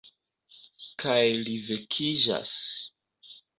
Kaj li vekiĝas.